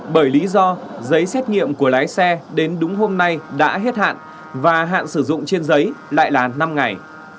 bởi lý do giấy xét nghiệm của lái xe đến đúng hôm nay đã hết hạn và hạn sử dụng trên giấy lại là năm ngày